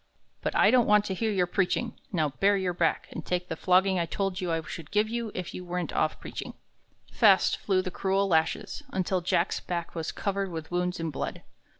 "But I don't want to hear your preaching. Now bare your back, and take the flogging I told you I should give you if you went off preaching." Fast flew the cruel lashes, until Jack's back was covered with wounds and blood.